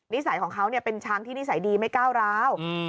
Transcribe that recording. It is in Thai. สัยของเขาเป็นช้างที่นิสัยดีไม่ก้าวร้าว